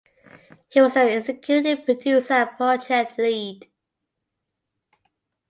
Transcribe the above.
He was the executive producer and project lead.